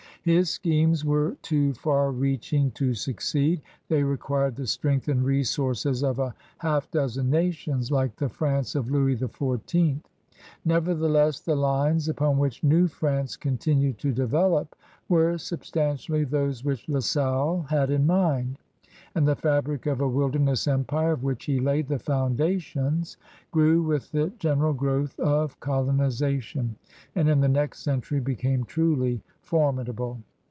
His schemes were too far reaching to succeed. They required the strength and resources of a half dozen nations like the France of Louis XIV. Nevertheless the lines upon which New France continued to develop were substantially those which La Salle had in mind, and the fabric of a wilderness empire, of which he laid the foundations, grew with the general growth of colonization, and in the next century became truly formidable.